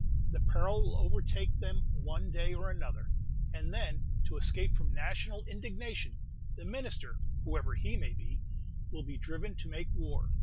This peril will overtake them one day or another, and then, to escape from national indignation, the minister, whoever he may be, will be driven to make war.